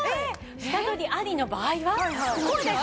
下取りありの場合はこうです。